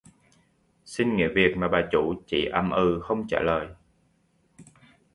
Xin nghỉ việc mà bà chủ chỉ ầm ừ không trả lời